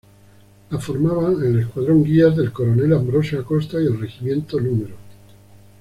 La formaban el escuadrón Guías del coronel Ambrosio Acosta y el regimiento No.